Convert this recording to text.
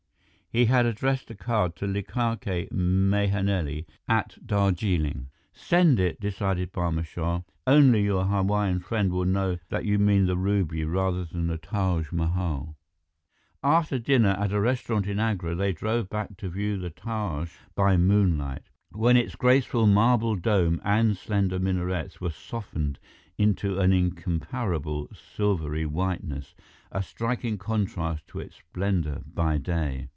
He had addressed the card to Likake Mahenili at Darjeeling. "Send it," decided Barma Shah. "Only your Hawaiian friend will know that you mean the ruby rather than the Taj Mahal." After dinner at a restaurant in Agra, they drove back to view the Taj by moonlight, when its graceful marble dome and slender minarets were softened into an incomparable silvery whiteness, a striking contrast to its splendor by day.